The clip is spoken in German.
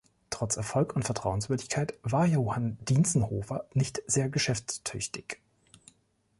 Trotz Erfolg und Vertrauenswürdigkeit war Johann Dientzenhofer nicht sehr geschäftstüchtig.